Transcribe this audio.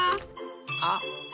あっ！